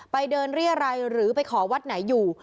ไปเดินเรียรัยหรือไปขอวัดไหนอยู่